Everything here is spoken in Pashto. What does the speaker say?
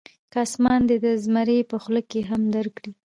که اسمان دې د زمري په خوله کې هم درکړي.